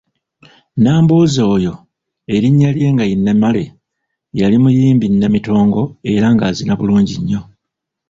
Nambooze oyo erinnya lye nga ye Namale yali muyimbi nnamitongo era ng'azina bulungi nnyo.